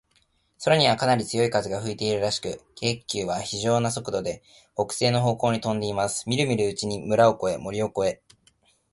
空には、かなり強い風が吹いているらしく、軽気球は、ひじょうな速度で、北西の方向にとんでいます。みるみるうちに村を越え、森を越え、